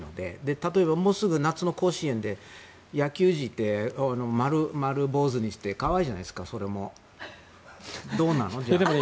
例えばもうすぐ夏の甲子園で野球児って丸坊主にして可愛いじゃないですかそれも。